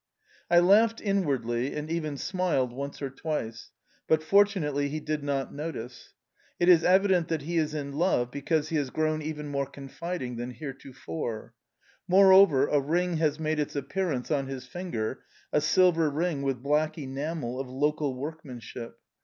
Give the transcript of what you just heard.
I laughed inwardly and even smiled once or twice, but fortunately he did not notice. It is evident that he is in love, because he has grown even more confiding than heretofore. Moreover, a ring has made its appearance on his finger, a silver ring with black enamel of local workmanship.